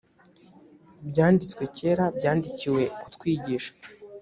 byanditswe kera byandikiwe i kutwigisha